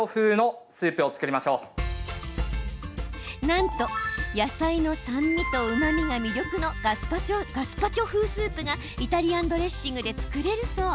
なんと野菜の酸味とうまみが魅力のガスパチョ風スープがイタリアンドレッシングで作れるそう。